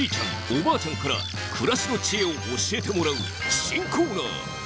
おばあちゃんから暮らしの知恵を教えてもらう新コーナー。